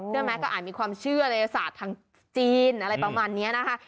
ไหมก็อาจมีความเชื่อในศาสตร์ทางจีนอะไรประมาณนี้นะคะ